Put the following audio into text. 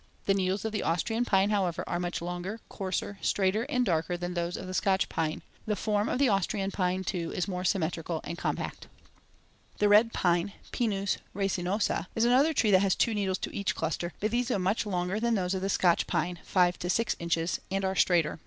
The needles of the Austrian pine, however, are much longer, coarser, straighter, and darker than those of the Scotch pine; Fig. 1. The form of the Austrian pine, too, is more symmetrical and compact. [Illustration: FIG. 6. Twig of the Scotch Pine.] The red pine (Pinus resinosa) is another tree that has two needles to each cluster, but these are much longer than those of the Scotch pine (five to six inches) and are straighter.